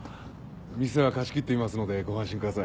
店は貸し切っていますのでご安心ください。